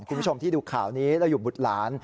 คุณผู้ชมที่ดูข่าวนี้แล้วอยู่บุตรหลาน